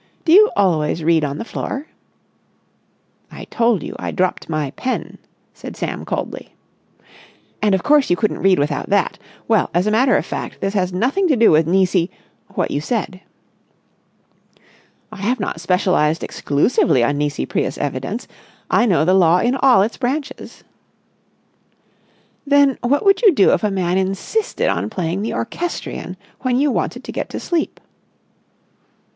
"Do you always read on the floor?" "I told you I dropped my pen," said Sam coldly. "And of course you couldn't read without that! Well, as a matter of fact, this has nothing to do with Nisi—what you said." "I have not specialised exclusively on Nisi Prius Evidence. I know the law in all its branches." "Then what would you do if a man insisted on playing the orchestrion when you wanted to get to sleep?"